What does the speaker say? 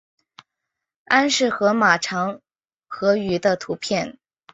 安氏河马长颌鱼的图片